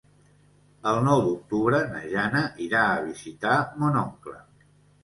El nou d'octubre na Jana irà a visitar mon oncle.